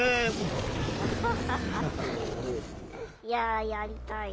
いややりたい。